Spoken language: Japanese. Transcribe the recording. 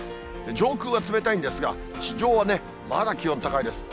上空は冷たいんですが、地上はね、まだ気温高いです。